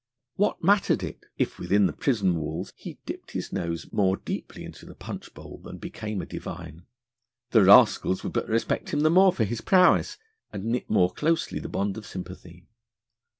What mattered it, if within the prison walls he dipped his nose more deeply into the punch bowl than became a divine? The rascals would but respect him the more for his prowess, and knit more closely the bond of sympathy.